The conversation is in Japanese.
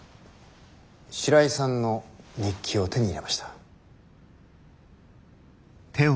白井さんの日記を手に入れました。